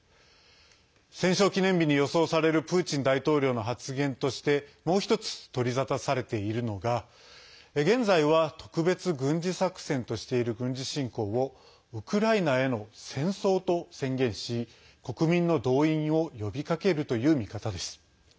戦勝記念日に予想されるプーチン大統領の発言としてもう１つ取り沙汰されているのが現在は、特別軍事作戦としている軍事侵攻をウクライナへの戦争と宣言し国民の動員を呼びかけるという見方です。